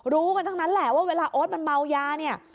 รู้กันทั้งนั้นแหละว่าเวลาโอ๊ตมันเมายาเนี่ย